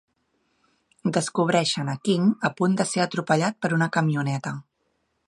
Descobreixen a King a punt de ser atropellat per una camioneta.